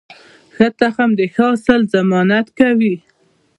ښه تخم د ښه حاصل ضمانت کوي.